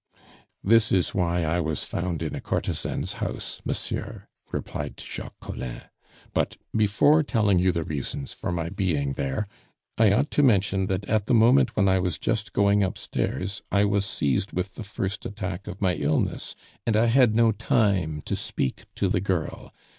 "This is why I was found in a courtesan's house, monsieur," replied Jacques Collin. "But before telling you the reasons for my being there, I ought to mention that at the moment when I was just going upstairs I was seized with the first attack of my illness, and I had no time to speak to the girl.